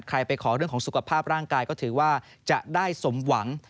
ไปขอเรื่องของสุขภาพร่างกายก็ถือว่าจะได้สมหวัง